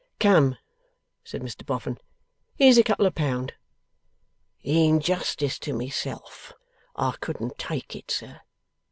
'Come!' said Mr Boffin. 'Here's a couple of pound.' 'In justice to myself, I couldn't take it, sir.